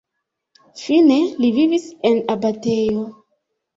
Fine li vivis en abatejo.